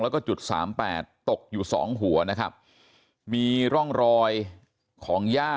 แล้วก็จุดสามแปดตกอยู่สองหัวนะครับมีร่องรอยของย่า